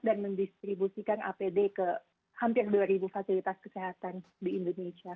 dan mendistribusikan apd ke hampir dua fasilitas kesehatan di indonesia